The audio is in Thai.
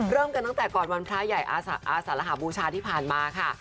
เริ่มกันตั้งแต่ก่อนวันพระใหญ่อาสารหาบูชาที่ผ่านมาค่ะ